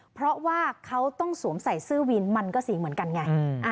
เพราะว่าเขาต้องสวมใส่เสื้อวินมันก็สีเหมือนกันไง